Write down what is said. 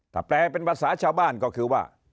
ถ้าแปลเป็นภาษาชาวบ้านก็คือว่า